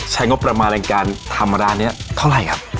ใช้งบประมาณในการทำร้านนี้เท่าไหร่ครับ